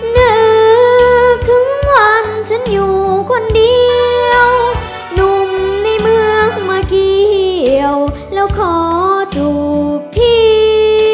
นึกถึงวันฉันอยู่คนเดียวหนุ่มในเมืองมาเกี่ยวแล้วขอถูกที